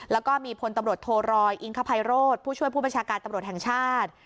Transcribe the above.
แล้วก็มีพลตำรวจโทรอยอิงคภัยโรธผู้ช่วยผู้บัญชาการตำรวจแห่งชาติ